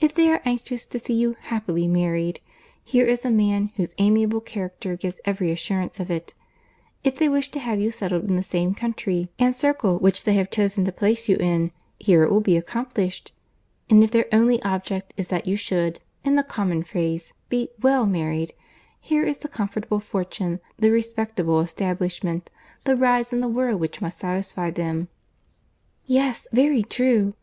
If they are anxious to see you happily married, here is a man whose amiable character gives every assurance of it;—if they wish to have you settled in the same country and circle which they have chosen to place you in, here it will be accomplished; and if their only object is that you should, in the common phrase, be well married, here is the comfortable fortune, the respectable establishment, the rise in the world which must satisfy them." "Yes, very true.